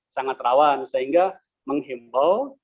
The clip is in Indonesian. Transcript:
sangat rawan sehingga menghimbau